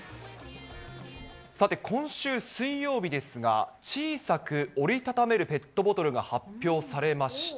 さて、今週水曜日ですが、小さく折り畳めるペットボトルが発表されました。